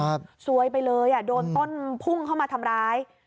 ซวยไปเลยอ่ะโดนต้นพุ่งเข้ามาทำร้าย